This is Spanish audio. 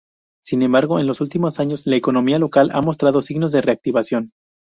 Sin embargo, en los últimos años, la economía local ha mostrado signos de reactivación.